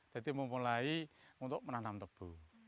jadi memulai untuk menanam tebu